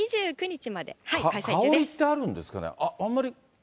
香りってあるんですかね。